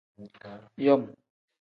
Yom.